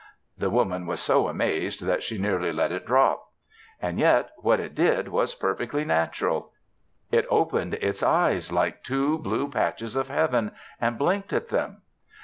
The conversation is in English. The Woman was so amazed that she nearly let it drop. And yet what it did was perfectly natural; it opened its eyes, like two blue patches of heaven, and blinked at them.